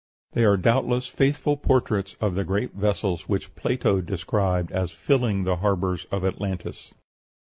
They are doubtless faithful portraits of the great vessels which Plato described as filling the harbors of Atlantis.